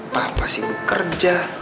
papa sibuk kerja